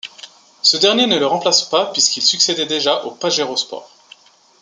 Ce dernier ne le remplace pas, puisqu'il succédait déjà au Pajero Sport.